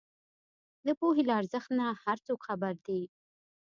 د پوهې له ارزښت نۀ هر څوک خبر دی